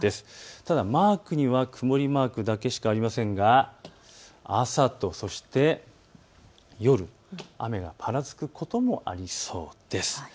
ただマークには曇りマークだけしかありませんが朝と夜、雨がぱらつくこともありそうです。